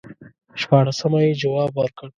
شپاړسمه یې جواب ورکړ.